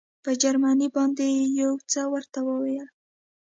په جرمني باندې یې یو څه ورته وویل.